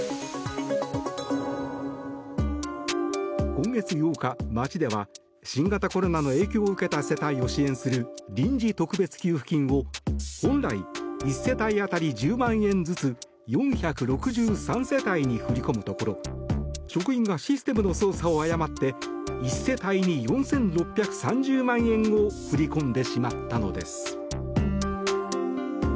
今月８日、町では新型コロナの影響を受けた世帯を支援する臨時特別給付金を本来１世帯当たり１０万円ずつ４６３世帯に振り込むところ職員がシステムの操作を誤って１世帯に４６３０万円を振り込んでしまったのです。